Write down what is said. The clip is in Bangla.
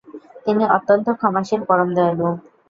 তিনি অত্যন্ত ক্ষমাশীল, পরম দয়ালু।